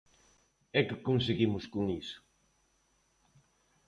¿E que conseguimos con iso?